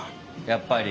やっぱり。